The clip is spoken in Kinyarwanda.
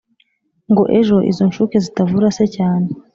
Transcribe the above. ngo ejo izo nshuke zitavura se cyane